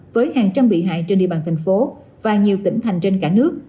với hàng trăm bị hại trên địa bàn thành phố và nhiều tỉnh thành trên cả nước